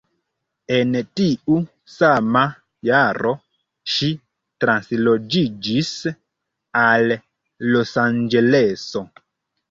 En tiu sama jaro ŝi transloĝiĝis al Losanĝeleso.